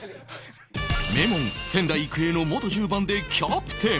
名門仙台育英の元１０番でキャプテン